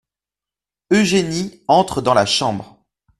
Eugénie entre dans la chambre.